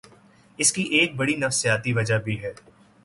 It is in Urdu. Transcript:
اس کی ایک بڑی نفسیاتی وجہ بھی ہے۔